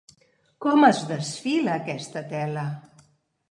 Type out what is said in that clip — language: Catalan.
Com es desfila, aquesta tela!